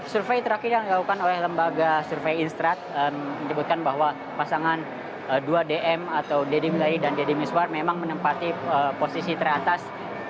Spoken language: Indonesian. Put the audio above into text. survei terakhir yang dilakukan oleh lembaga survei instrad menyebutkan bahwa pasangan dua dm atau deddy minai dan deddy miswar memang menempati posisi teratas